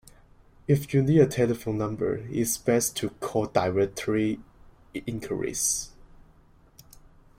If you need a telephone number, it’s best to call directory enquiries